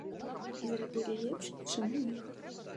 І зрабілі лепш, чым у іх.